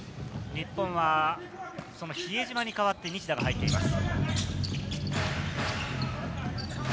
日本は比江島に代わって西田が入っています。